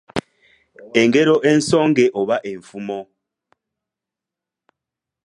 Engero ensonge oba enfumo